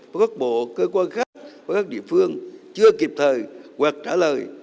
và các bộ cơ quan khác và các địa phương chưa kịp thời hoặc trả lời